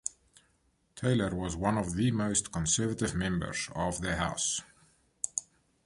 Taylor was one of the most conservative members of the House.